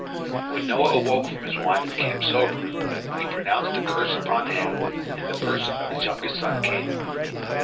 When Noah awoke from his wine and became sober, he pronounced a curse upon Ham in the person of his youngest son Canaan.